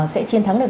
sẽ chiến thắng được